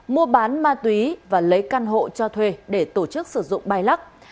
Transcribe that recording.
mua bán ma túy và lấy căn hộ cho thuê để tổ chức sử dụng bay lắc